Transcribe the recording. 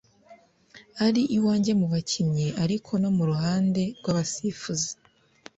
ari iwanjye mu bakinnyi ariko no mu ruhande rw’abasifuzi